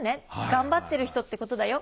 頑張ってる人ってことだよ」